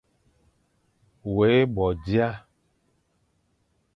Wé bo dia,